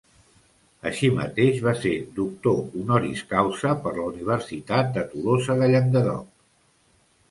Així mateix va ser Doctor Honoris causa per la Universitat de Tolosa de Llenguadoc.